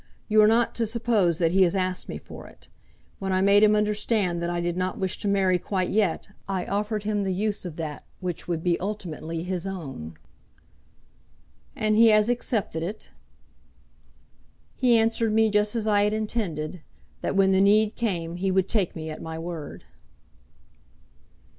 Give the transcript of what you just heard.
You are not to suppose that he has asked me for it. When I made him understand that I did not wish to marry quite yet, I offered him the use of that which would be ultimately his own." "And he has accepted it?" "He answered me just as I had intended, that when the need came he would take me at my word."